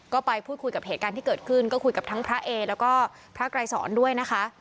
ก็ไปพูดคุยกับเหตุการณ์ที่เกิดขึ้นก็คุยกับทั้งพระเอแล้วก็พระไกรสอนด้วยนะคะ